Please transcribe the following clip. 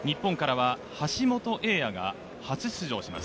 日本からは橋本英也が初出場します。